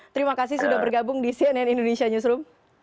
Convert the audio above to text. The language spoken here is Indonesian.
terima kasih sudah bergabung di cnn indonesia newsroom